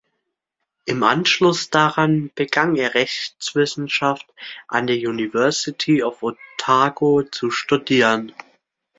Im Anschluss daran begann er Rechtswissenschaft an der University of Otago zu studieren.